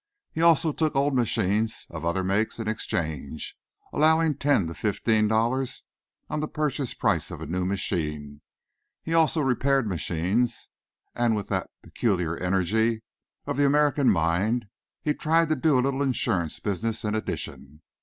He also took old machines of other makes in exchange, allowing ten to fifteen dollars on the purchase price of a new machine. He also repaired machines, and with that peculiar energy of the American mind, he tried to do a little insurance business in addition.